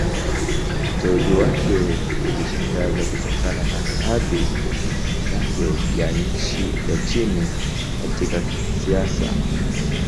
Uteuzi wake ulishangaza, kutokana na hadhi yake ya chini katika siasa.